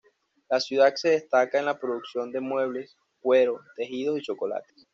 La ciudad se destaca en la producción de muebles, cuero, tejidos y chocolates.